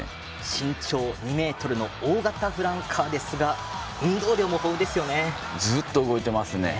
身長２ｍの大型フランカーですがずっと動いてますね。